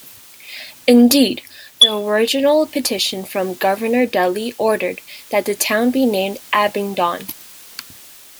Indeed, the original petition from Governor Dudley ordered that "the Town be named Abingdon".